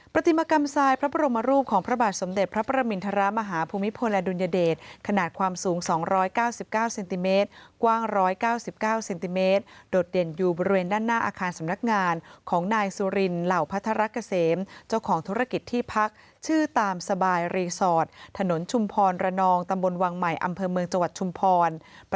ปฏิมากรรมทรายพระบรมรูปของพระบาทสมเด็จพระประมินทรมาฮาภูมิพลอดุลยเดชขนาดความสูง๒๙๙เซนติเมตรกว้าง๑๙๙เซนติเมตรโดดเด่นอยู่บริเวณด้านหน้าอาคารสำนักงานของนายสุรินเหล่าพัทรเกษมเจ้าของธุรกิจที่พักชื่อตามสบายรีสอร์ทถนนชุมพรระนองตำบลวังใหม่อำเภอเมืองจังหวัดชุมพร